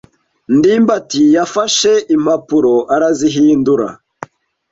ndimbati yafashe impapuro arazihindura.